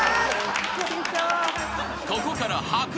［ここから］